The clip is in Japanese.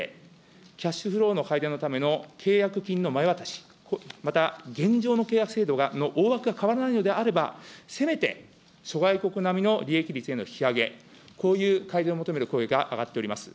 キャッシュフロー改善のための契約金の前渡し、また現状の契約制度の大枠が変わらないのであれば、せめて諸外国並みの利益率への引き上げ、こういう改善を求める声が上がっております。